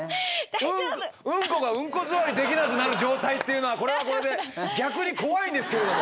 ウンコがウンコ座りできなくなる状態っていうのはこれはこれで逆に怖いんですけれども。